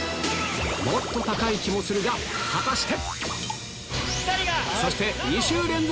もっと高い気もするが果たして？